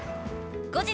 ［後日］